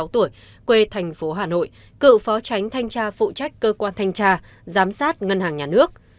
ba mươi tuổi quê thành phố hà nội cựu phó tránh thanh tra phụ trách cơ quan thanh tra giám sát ngân hàng nhà nước